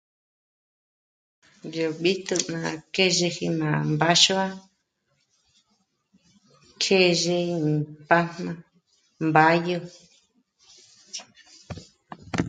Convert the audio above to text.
Yó jb'ítju ná khêzheji ná mbáxua khêzhi ímpájna ímbáyü